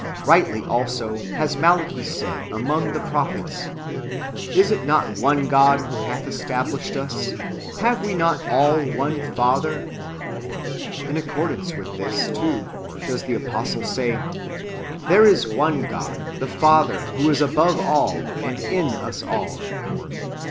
Kightly also has Malachi said among the prophets :" Is it not one God who hath established us ? Have we not all one Father ?"^ In accordance with this, too, does the apostle say, " There is one God, the Father, who is above all, and in us all."